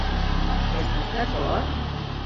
Hi estàs d'acord?